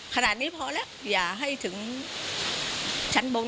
ขนาดนี้พอแล้วอย่าให้ถึงชั้นบน